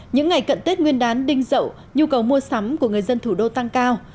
những ngày cận tết nguyên đán đinh dậu nhu cầu mua sắm của người dân thủ đô tăng cao